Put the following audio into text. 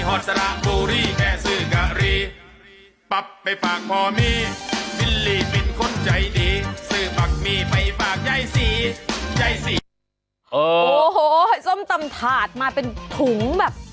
โอ้โหส้มตำถาดมาเป็นถุงแบบ